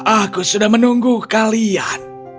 aku sudah menunggu kalian